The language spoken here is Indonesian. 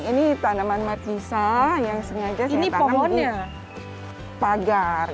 ini tanaman margisa yang sengaja saya tanam di pagar